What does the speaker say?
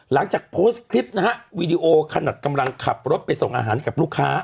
หลังจากโพสต์คลิปนะฮะวีดีโอขนาดกำลังขับรถไปส่งอาหารกับลูกค้า